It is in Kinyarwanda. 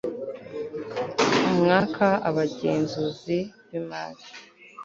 mwaka abagenzuzi b imari